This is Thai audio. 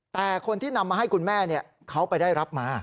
แต่คนที่นำมาให้คุณแม่เขาไปได้รับมา